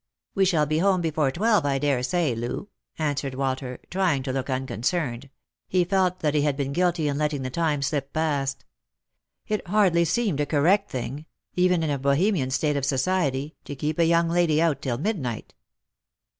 " We shall be home before twelve, I daresay, Loo," answered Walter, trying to look unconcerned ; he felt that he had been guilty in letting the time slip past. It hardly seemed a correct thing — even in a Bohemian state of society — to keep a young lady out till midnight.